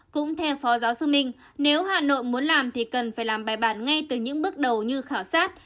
cũng theo phó giáo sư minh nếu hà nội muốn làm thì cần phải làm bài bản ngay từ những bước đầu như khảo sát